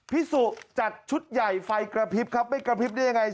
พี่สุจัดชุดใหญ่ไฟกระพริบครับไม่กระพริบได้ยังไง